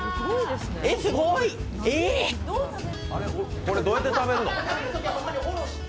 これどうやって食べるの？